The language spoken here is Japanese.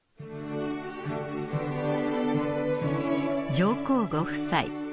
上皇ご夫妻